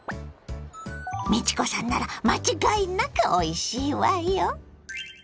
美智子さんなら間違いなくおいしいわよ！